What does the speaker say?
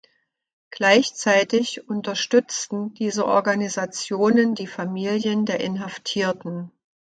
Gleichzeitig unterstützten diese Organisationen die Familien der Inhaftierten.